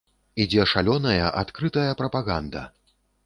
Ідзе шалёная адкрытая прапаганда!